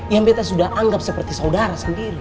yang kita sudah anggap seperti saudara sendiri